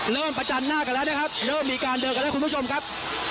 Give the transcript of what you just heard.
ประจันหน้ากันแล้วนะครับเริ่มมีการเดินกันแล้วคุณผู้ชมครับ